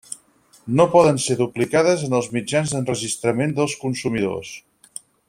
No poden ser duplicades en els mitjans d'enregistrament dels consumidors.